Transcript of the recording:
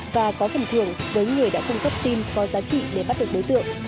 và có khẩn thường với người đã cung cấp tin có giá trị để bắt được đối tượng